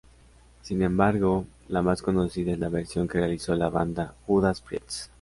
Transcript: Sin embargo la más conocida es la versión que realizó la banda Judas Priest.